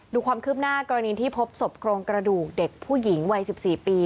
ดูความคืบหน้ากรณีที่พบศพโครงกระดูกเด็กผู้หญิงวัย๑๔ปี